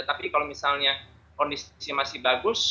tapi kalau misalnya kondisi masih bagus